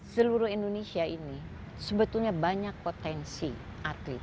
seluruh indonesia ini sebetulnya banyak potensi atlet